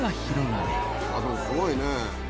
あっでもすごいね。